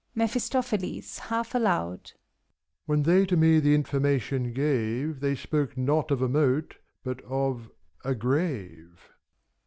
MEPHiSTOPHELES (half aloud) . When they to me the information gave, They spake not of a moat, but of — a grave.